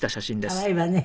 可愛いわね。